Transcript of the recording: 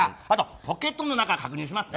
ポケットの中、確認しますね。